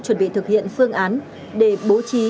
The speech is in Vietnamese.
chuẩn bị thực hiện phương án để bố trí